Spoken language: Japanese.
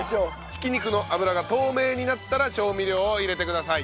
ひき肉の脂が透明になったら調味料を入れてください。